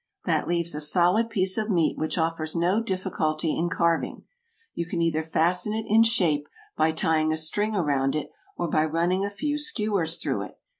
That leaves a solid piece of meat which offers no difficulty in carving; you can either fasten it in shape by tying a string around it or by running a few skewers through it.